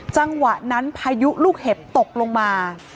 จังหวะนั้นพายุลูกเห็บตกลงมา